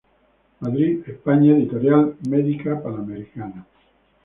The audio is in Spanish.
Madrid, España: Editorial Medica Panamericana.